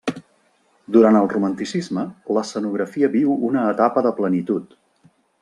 Durant el romanticisme, l'escenografia viu una etapa de plenitud.